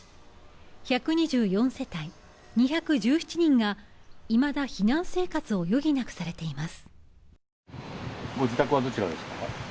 １２４世帯２１７人がいまだ避難生活を余儀なくされています。